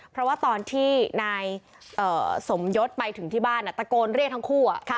เพราะว่าตอนที่นายสมยศไปถึงที่บ้านตะโกนเรียกทั้งคู่